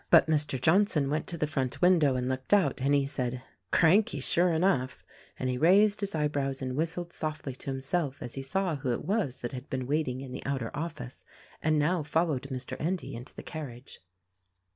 But Mr. Johnson went to the front window and looked out, and he said, "Cranky sure enough;" and he raised his eyebrows and whistled softly to himself as he saw who it was that had been waiting in the outer office and now fol lowed Mr. Endy into the carriage.